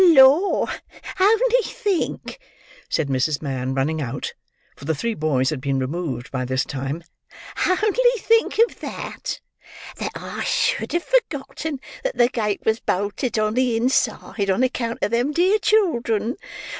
"Lor, only think," said Mrs. Mann, running out,—for the three boys had been removed by this time,—"only think of that! That I should have forgotten that the gate was bolted on the inside, on account of them dear children!